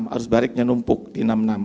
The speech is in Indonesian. arus baliknya numpuk di enam puluh enam